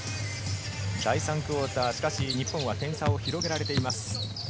第３クオーター、日本は点差を広げられています。